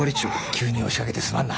急に押しかけてすまんな。